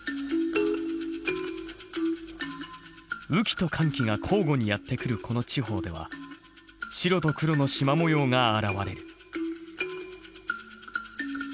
雨季と乾季が交互にやって来るこの地方では白と黒の縞模様が現れる。